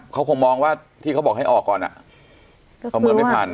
เขาคงมองว่าที่เขาบอกให้ออกก่อนประเมินไม่ทัน